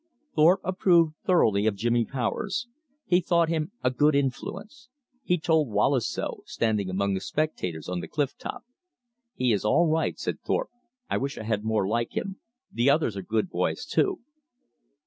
Thorpe approved thoroughly of Jimmy Powers; he thought him a good influence. He told Wallace so, standing among the spectators on the cliff top. "He is all right," said Thorpe. "I wish I had more like him. The others are good boys, too."